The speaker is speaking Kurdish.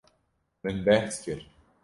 Min behs kir.